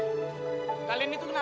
itu kan temannya kak adlian